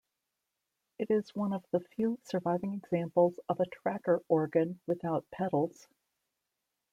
It is one of the few surviving examples of a tracker organ without pedals.